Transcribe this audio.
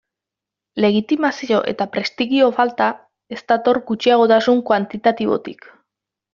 Legitimazio eta prestigio falta ez dator gutxiagotasun kuantitatibotik.